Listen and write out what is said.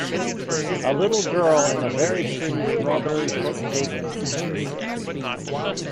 A little girl in a very pretty strawberry shortcake tshirt.